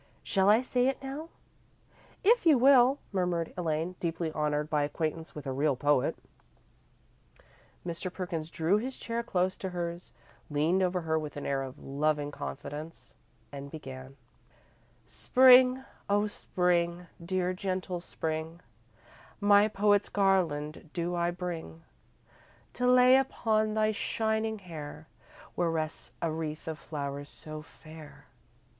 Shall I say it now?" "If you will," murmured Elaine, deeply honoured by acquaintance with a real poet. Mr. Perkins drew his chair close to hers, leaned over with an air of loving confidence, and began: Spring, oh Spring, dear, gentle Spring, My poet's garland do I bring To lay upon thy shining hair Where rests a wreath of flowers so fair.